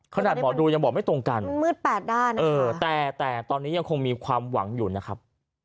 ขนาดหมอดูยังบอกไม่ตรงกันมันมืดแปดด้านแต่แต่ตอนนี้ยังคงมีความหวังอยู่นะครับ